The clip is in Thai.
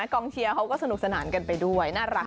กองเชียร์เขาก็สนุกสนานกันไปด้วยน่ารัก